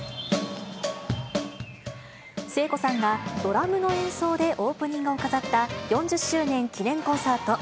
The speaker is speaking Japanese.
聖子さんがドラムの演奏でオープニングを飾った、４０周年記念コンサート。